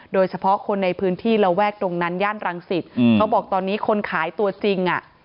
โดยเฉพาะคนในพื้นที่ระแวกตรงนั้นย่านรังสิตเขาบอกตอนนี้คนขายตัวจริงอ่ะ